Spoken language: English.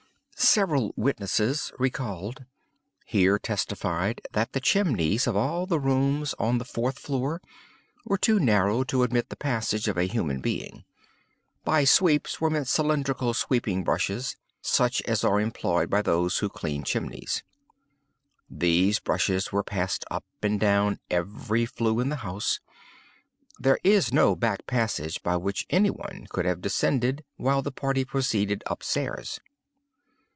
"Several witnesses, recalled, here testified that the chimneys of all the rooms on the fourth story were too narrow to admit the passage of a human being. By 'sweeps' were meant cylindrical sweeping brushes, such as are employed by those who clean chimneys. These brushes were passed up and down every flue in the house. There is no back passage by which any one could have descended while the party proceeded up stairs.